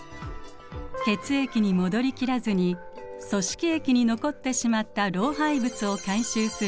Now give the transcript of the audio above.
血液に戻りきらずに組織液に残ってしまった老廃物を回収する